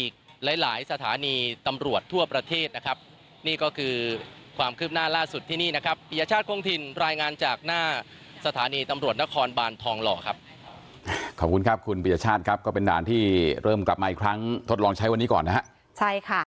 ก็คือความคืบหน้าล่าสุดที่นี่นะครับพิชชาติกลงถิ่นรายงานจากหน้าสถานีตำรวจนครบานทองหล่อครับขอบคุณครับคุณพิชชาติครับก็เป็นด่านที่เริ่มกลับมาอีกครั้งทดลองใช้วันนี้ก่อนนะฮะใช่ค่ะ